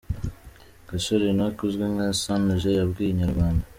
Gasore Enoc uzwi nka San G yabwiye inyarwanda.